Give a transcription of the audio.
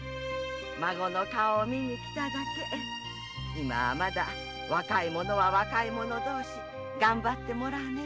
孫の顔を見に来ただけ。まだ若い者は若い者どおし頑張ってもらわねば。